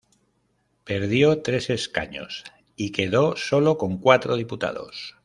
Perdió tres escaños y quedó sólo con cuatro diputados.